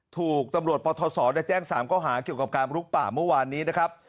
ถูกตำรวจปทศแจ้ง๓ข้อหาเกี่ยวกับการลุกป่าเมื่อวานนี้นะครับ